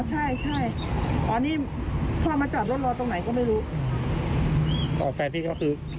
อ๋อใช่อ๋อนี่พ่อมาจอดรถรอตรงไหนก็ไม่รู้